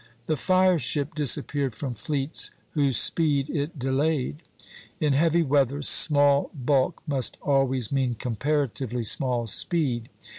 The fire ship disappeared from fleets "whose speed it delayed." In heavy weather small bulk must always mean comparatively small speed.